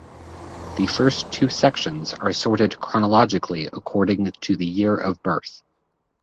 The first two sections are sorted chronologically according to the year of birth.